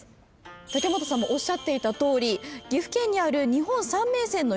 武元さんもおっしゃっていたとおり岐阜県にある。